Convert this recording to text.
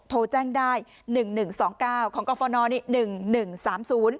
โทรแจ้งได้หนึ่งหนึ่งสองเก้าของกรฟนนี่หนึ่งหนึ่งสามศูนย์